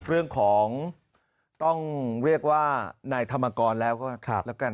เรื่องของต้องเรียกว่านายธรรมกรแล้วก็แล้วกัน